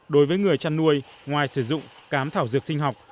đối với người chăn nuôi ngoài sử dụng cám thảo dược sinh học